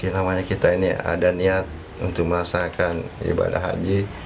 namanya kita ini ada niat untuk melaksanakan ibadah haji